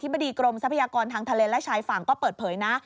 บดีกรมทรัพยากรทางทะเลและชายฝั่งก็เปิดเผยนะ